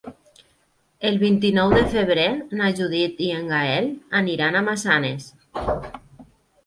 El vint-i-nou de febrer na Judit i en Gaël aniran a Massanes.